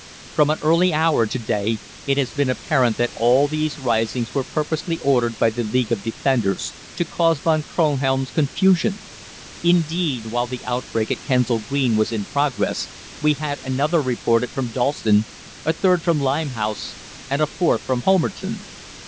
"From an early hour to day it has been apparent that all these risings were purposely ordered by the League of Defenders to cause Von Kronhelm's confusion. Indeed, while the outbreak at Kensal Green was in progress, we had another reported from Dalston, a third from Limehouse, and a fourth from Homerton.